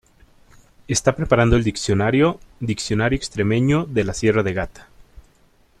Está preparando el diccionario "Diccionario extremeño de la Sierra de Gata".